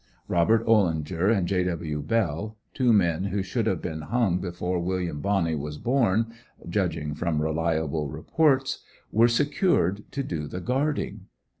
Robert Ollinger and J. W. Bell, two men who should have been hung before William Bonney was born judging from reliable reports, were secured to do the guarding.